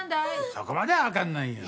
そこまではわかんないよ。